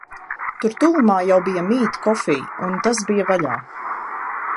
Tur tuvumā jau bija MiiT Coffee, un tas bija vaļā.